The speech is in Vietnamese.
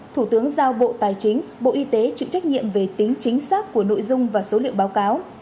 thủ tướng giao bộ tài chính bộ y tế chịu trách nhiệm về tính chính xác của nội dung và số liệu báo cáo